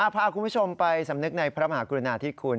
พาคุณผู้ชมไปสำนึกในพระมหากรุณาธิคุณ